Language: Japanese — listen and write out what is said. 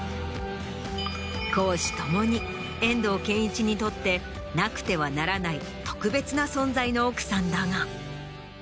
公私共に遠藤憲一にとってなくてはならない特別な存在の奥さんだが。